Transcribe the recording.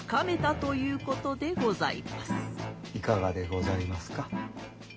いかがでございますか？